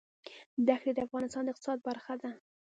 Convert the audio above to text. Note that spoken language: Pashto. دښتې د افغانستان د اقتصاد برخه ده.